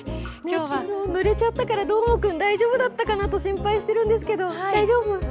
きのうはぬれちゃったから、どーもくん、大丈夫だったかな？と心配してるんですけど、大丈夫？